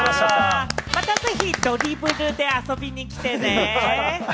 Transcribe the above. またぜひドリブルで遊びに来てね。